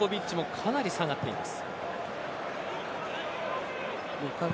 かなり下がっています。